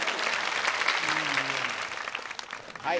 はい。